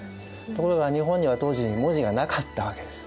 ところが日本には当時文字がなかったわけです。